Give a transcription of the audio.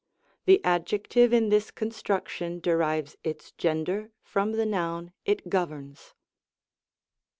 The adjective in this construction derives its gender from the noun it governs.